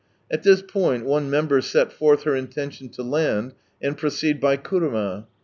At this point, one member set forth her intention to land, and proceed by kuruma.